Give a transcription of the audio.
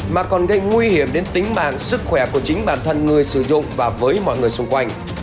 mà còn gây nguy hiểm đến tính mạng sức khỏe của chính bản thân người sử dụng và với mọi người xung quanh